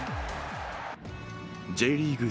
Ｊリーグ